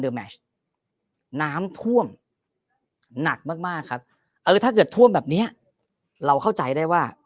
แมชน้ำท่วมหนักมากมากครับเออถ้าเกิดท่วมแบบเนี้ยเราเข้าใจได้ว่า